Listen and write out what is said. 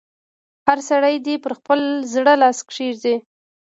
هر سړی دې پر خپل زړه لاس کېږي.